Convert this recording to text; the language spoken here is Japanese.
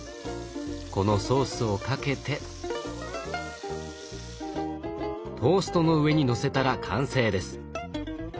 このソースをかけてトーストの上にのせたら完成です。